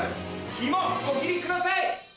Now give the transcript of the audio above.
ひもお切りください！